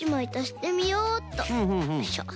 よいしょ。